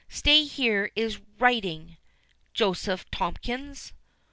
Stay, here is writing—Joseph Tomkins?